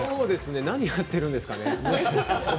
何やってるんですかね。